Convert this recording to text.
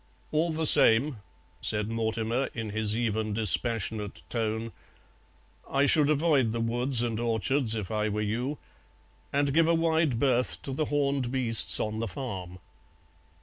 "All the same," said Mortimer in his even, dispassionate tone, "I should avoid the woods and orchards if I were you, and give a wide berth to the horned beasts on the farm."